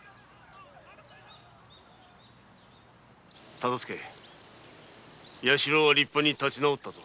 大岡弥四郎は立派に立ち直ったぞ。